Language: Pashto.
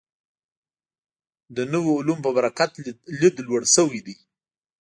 د نویو علومو په برکت لید لوړ شوی دی.